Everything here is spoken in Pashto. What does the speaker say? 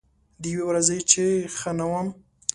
د یوې ورځې چې ښه نه وم